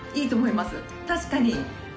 確かに！